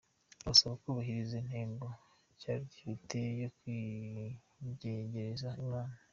abasaba bubahiriza intego cyari gifite yo kwiyegereza Imana.